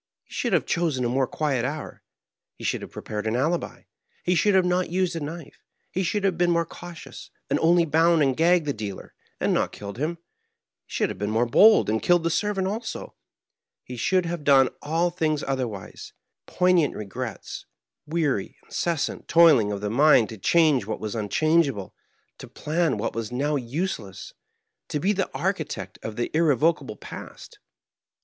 He should have chosen a more Digitized by VjOOQIC MARKHEIM. 59 quiet hour ; he should have prepared an alibi ; he should not have used a knife : he should have been more cau tious, and only bound and gagged the deder, and not killed him ; he should have been more bold, and killed the servant also ; he should have done all things other wise ; poignant regrets, weary, incessant toiling of the mind to change what was unchangeable, to plan what was now useless, to be the architect of the irrevociable past.